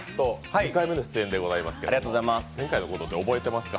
２回目の出演でございますが前回のこと覚えてますか？